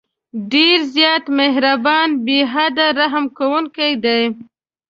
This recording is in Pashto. ډېر زیات مهربان، بې حده رحم كوونكى دى.